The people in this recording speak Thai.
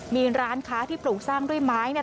มีร้านค้าที่ปลูกสร้างด้วยไม้เนี่ย